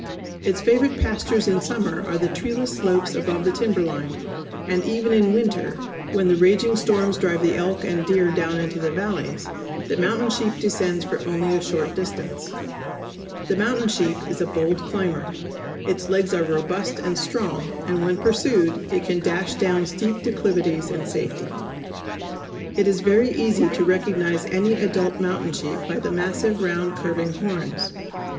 Its favorite pastures in summer are the treeless slopes above the timber line; and even in winter, when the raging storms drive the elk and deer down into the valleys, the mountain sheep descends for only a short distance. The mountain sheep is a bold climber. Its legs are robust and strong, and when pursued it can dash down steep declivities in safety. It is very easy to recognize any adult mountain sheep by the massive round curving horns.